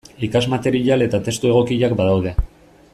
Ikasmaterial eta testu egokiak badaude.